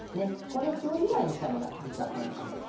こうね歩を２枚にしたのが実はポイントです。